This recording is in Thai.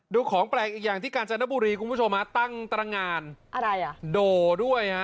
ดูของแปลกอีกอย่างที่กาญจนบุรีคุณผู้ชมตั้งตารางานโดด้วย